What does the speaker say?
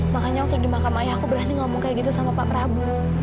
makanya waktu di makam ayah aku berani ngomong kayak gitu sama pak prabowo